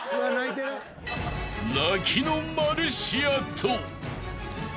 ［泣きのマルシアと］